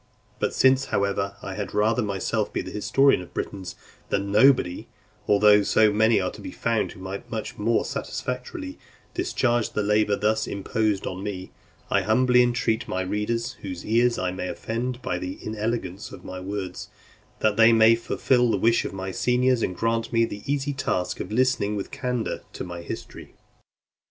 But since, however, I had rather myself be the historian of the Britons than nobody, although so many are to be found who might much more satisfactorily discharge the labour thus imposed on me; I humbly entreat my readers, whose ears I may offend by the inelegance of my words, that they will fulfil the wish of my seniors, and grant me the easy task of listening with candour to my history.